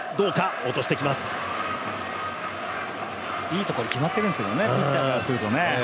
いいところ決まっているんですけどね、ピッチャーからするとね。